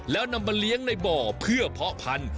แล้วนำมาเลี้ยงในบ่อเพื่อเพาะพันธุ